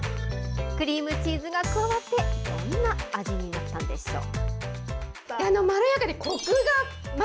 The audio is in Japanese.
クリームチーズが加わって、どんな味になったんでしょう。